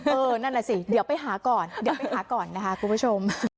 นั่นแหละสิเดี๋ยวไปหาก่อนเดี๋ยวไปหาก่อนนะคะคุณผู้ชม